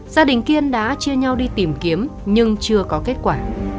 gia đình kiên đã chia nhau đi tìm kiếm nhưng chưa có kết quả